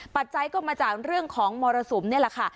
ปัจจัยก็มาจากเรื่องของมรสุมนี่แหละค่ะ